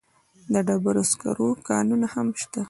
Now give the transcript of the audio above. د ډبرو سکرو کانونه هم شته.